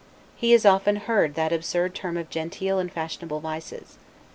He has often heard that absurd term of genteel and fashionable vices.